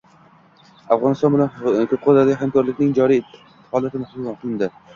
Afg‘oniston bilan ko‘p qirrali hamkorlikning joriy holati muhokama qilindi